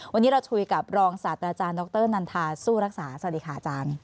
วันนี้เราคุยกับรองศาสตราจารย์ดรนันทาสู้รักษาสวัสดีค่ะอาจารย์